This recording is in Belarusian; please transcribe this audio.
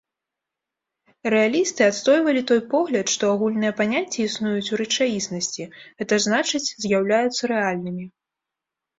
Рэалісты адстойвалі той погляд, што агульныя паняцці існуюць у рэчаіснасці, гэта значыць з'яўляюцца рэальнымі.